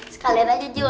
sekalian aja jule